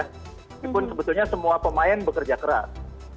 walaupun sebetulnya semua pemain bekerja keras